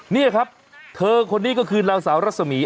นี่ครับเธอคนนี้ก็คือนางสาวรัศมี